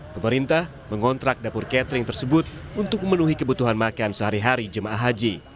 pemerintah mengontrak dapur catering tersebut untuk memenuhi kebutuhan makan sehari hari jemaah haji